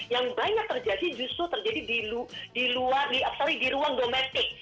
yang banyak terjadi justru terjadi di ruang domestik